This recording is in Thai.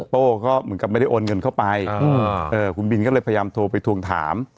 โป้ก็เหมือนกับไม่ได้โอนเงินเข้าไปคุณบินก็เลยพยายามโทรไปทวงถาม